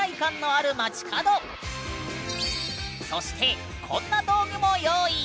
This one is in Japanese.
そしてこんな道具も用意！